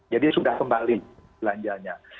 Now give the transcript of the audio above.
jadi sudah kembali belanjanya